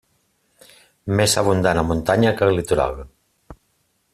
Més abundant a muntanya que al litoral.